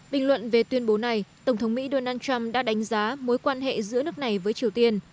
bình luận về tuyên bố này tổng thống mỹ donald trump đã đánh giá mối quan hệ giữa nước này với triều tiên